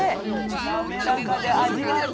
滑らかで味わい深い！